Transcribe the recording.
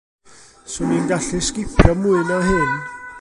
'Swn i'n gallu sgipio mwy na hyn.